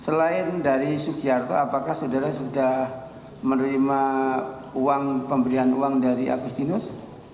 selain dari sugiharto apakah saudara sudah menerima uang pemberian uang dari agustinus